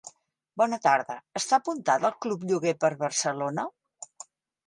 Bona tarda, està apuntada al Club Lloguer per Barcelona?